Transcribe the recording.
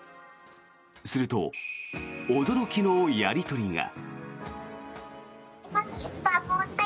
すると、驚きのやり取りが。